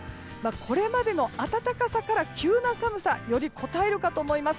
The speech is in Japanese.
これまでの暖かさからの急な寒さでよりこたえるかと思います。